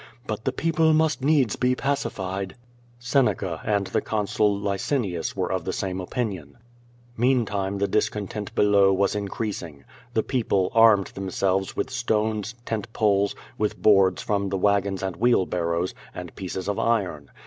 But the people must needs be pacified." Seneca and the consul Licinius were of the same opinion. Meantime the discontent below was increasing. The people armed themselves with stones, tent poles, with boards from the wagons and wheelbarrows, and pieces of iron.